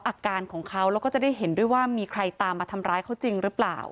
อาการของเขาแล้วก็จะได้เห็นด้วยว่ามีใครตามมาทำร้ายเขาจริงหรือเปล่า